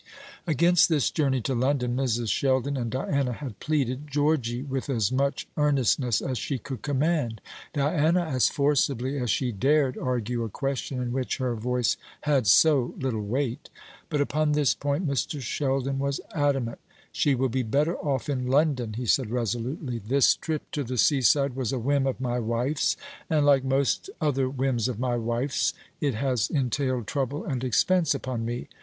Against this journey to London Mrs. Sheldon and Diana had pleaded Georgy with as much earnestness as she could command; Diana as forcibly as she dared argue a question in which her voice had so little weight. But upon this point Mr. Sheldon was adamant. "She will be better off in London," he said resolutely. "This trip to the seaside was a whim of my wife's; and, like most other whims of my wife's, it has entailed trouble and expense upon me.